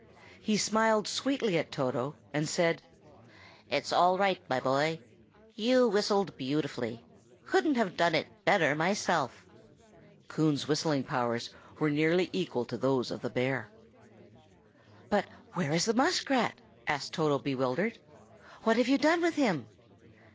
He smiled sweetly at Toto, and said, "It's all right, my boy! you whistled beautifully; couldn't have done it better myself!" (N. B. Coon's whistling powers were nearly equal to those of the bear.) "But where is the muskrat?" asked Toto, bewildered. "What have you done with him?"